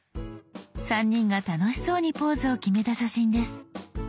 ３人が楽しそうにポーズを決めた写真です。